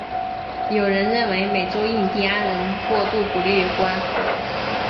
有人认为跟美洲印第安人过度捕猎有关。